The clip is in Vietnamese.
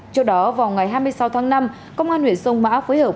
trước đó vào ngày hai mươi sáu tháng năm công an huyện sông mã phối hợp